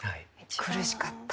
苦しかった。